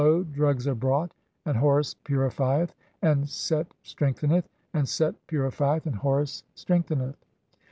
drugs are brought, and Horus purineth and Set strengtheneth, and Set purifieth and Horus strengtheneth.